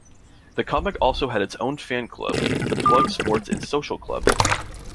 The comic also had its own fan club, the "Plug Sports and Social Club".